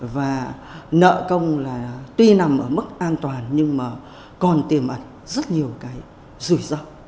và nợ công là tuy nằm ở mức an toàn nhưng mà còn tiềm ẩn rất nhiều cái rủi ro